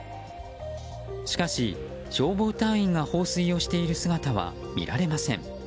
しかし、消防隊員が放水をしている姿は見られません。